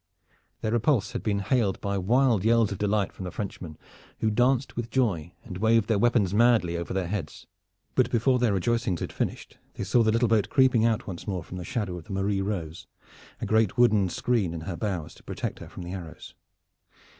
Their repulse had been hailed by wild yells of delight from the Frenchmen, who danced with joy and waved their weapons madly over their heads. But before their rejoicings had finished they saw the little boat creeping out once more from the shadow of the Marie Rose, a great wooden screen in her bows to protect her from the arrows.